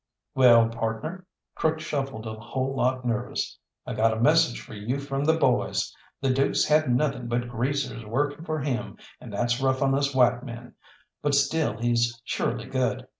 "Wall, partner" Crook shuffled a whole lot nervous "I got a message for you from the boys. The Dook's had nothing but greasers working for him, and that's rough on us white men, but still he's surely good.